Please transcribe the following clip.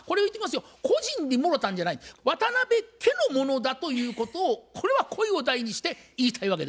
個人にもろたんじゃない渡辺家のものだということをこれは声を大にして言いたいわけでございます。